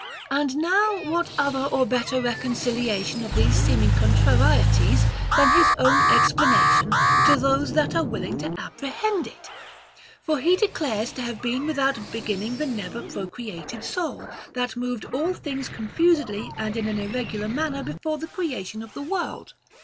9. And now what other or better reconciliation of these seeming contrarieties than his own explanation, to those that are willing to apprehend it ? For he declares to have been without beginning the never procreated soul, that moved all things confusedly and in an irregular manner before the creation of the world.